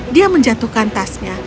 dia menjatuhkan tasnya